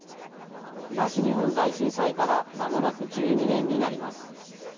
東日本大震災からまもなく１２年になります。